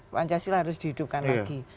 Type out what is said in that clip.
pancasila harus dihidupkan lagi